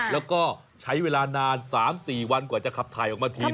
แล้วก็ใช้เวลานาน๓๔วันกว่าจะขับถ่ายออกมาที